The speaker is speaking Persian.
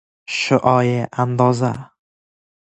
شعاع انداز